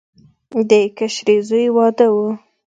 د کشري زوی واده و.